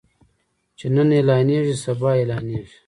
چې نن اعلانيږي سبا اعلانيږي.